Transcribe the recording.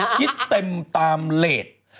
คิดเต็มตามเลส